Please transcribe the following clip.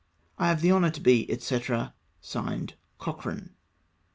" I have the honour to be, &c. (Signed) " Cochrane.